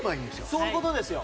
そういうことですよ。